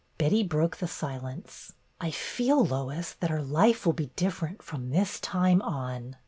Betty broke the silence. " I feel, Lois, that our life will be different from this time on.